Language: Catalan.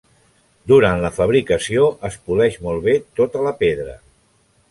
Durant la fabricació, es poleix molt bé tota la pedra.